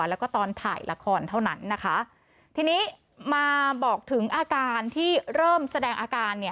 แล้วก็ตอนถ่ายละครเท่านั้นนะคะทีนี้มาบอกถึงอาการที่เริ่มแสดงอาการเนี่ย